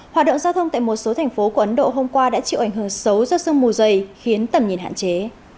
họa động giao thông tại một số thành phố của ấn độ hôm qua đã chịu ảnh hưởng xấu do sương mù dày khiến tầm nhìn hạn chế